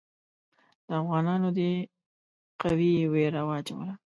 د افغانانو دې قوې وېره واچوله.